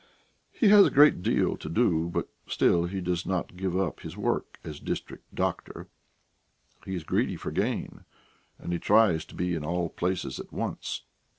He has a great deal to do, but still he does not give up his work as district doctor; he is greedy for gain, and he tries to be in all places at once.